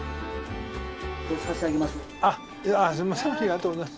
これ差し上げます。